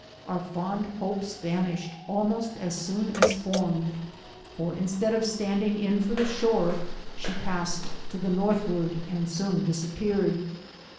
our fond hopes vanished almost as soon as formed; for instead of standing in for the shore she passed to the northward, and soon disappeared.